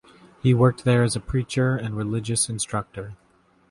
He worked there as a preacher and religious instructor.